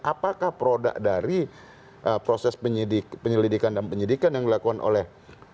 apakah produk dari proses penyelidikan dan penyidikan yang dilakukan oleh